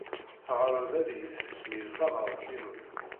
Teɛreḍ ad iyi tesmil tanaḍt-inu.